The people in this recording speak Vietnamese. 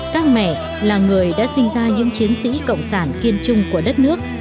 các mẹ là người đã sinh ra những chiến sĩ cộng sản kiên trung của đất nước